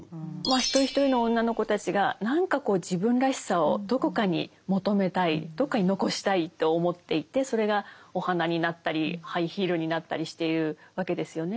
一人一人の女の子たちが何か自分らしさをどこかに求めたいどこかに残したいと思っていてそれがお花になったりハイヒールになったりしているわけですよね。